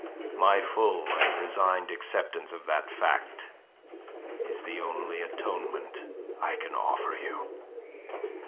My full and resigned acceptance of that fact is the only atonement I can offer you."